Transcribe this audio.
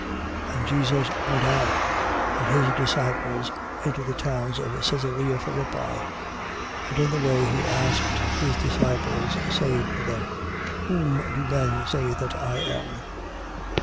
8:27. And Jesus went out, and his disciples into the towns of Caesarea Philippi. And in the way, he asked his disciples, saying to them: Whom do men say that I am?